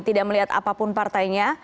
tidak melihat apapun partainya